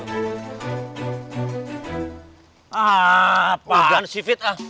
ah apaan si fit ah